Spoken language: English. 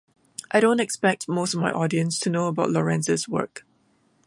I don’t expect most of my audience to know about Lorenz’s work.